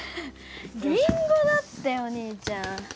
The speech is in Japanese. りんごだってお兄ちゃん。